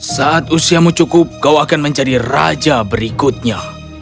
saat usiamu cukup kau akan menjadi raja berikutnya